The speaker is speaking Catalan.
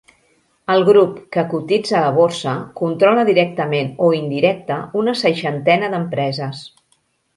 El grup, que cotitza a la borsa, controla directament o indirecta una seixantena d'empreses.